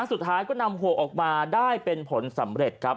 สุดท้ายก็นำหัวออกมาได้เป็นผลสำเร็จครับ